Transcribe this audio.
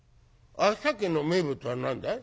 秋田県の名物は何だい？」。